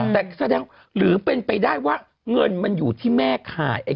แต่แสดงหรือเป็นไปได้ว่าเงินมันอยู่ที่แม่ขาย